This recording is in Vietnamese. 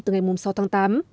từ ngày sáu tháng tám